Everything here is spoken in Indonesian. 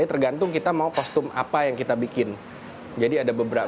jadi tergantung apa kostum yang kita buat